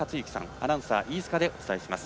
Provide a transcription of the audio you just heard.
アナウンサー、飯塚でお伝えします。